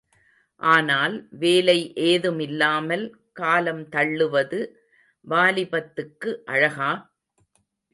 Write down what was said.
ஆனால், வேலை ஏதுமில்லாமல் காலம் தள்ளுவது வாலிபத்துக்கு அழகா?